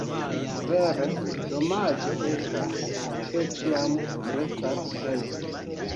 Vere, domaĝe estas, ke vi ĉiam restas hejme.